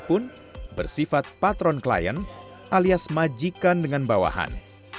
pun bersifat patron klien alias majikan dengan bawahan